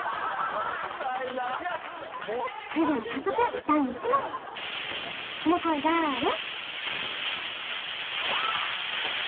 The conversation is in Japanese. それでは早速第１問この声だーれ？